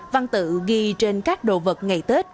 văn tự ghi trên các đồ vật ngày tết